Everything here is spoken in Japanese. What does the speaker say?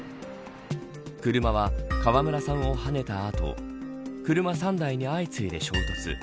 車は、川村さんをはねた後車３台に相次いで衝突。